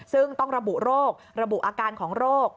ซึ่งต้องระบุโรคระบุอาการของโรค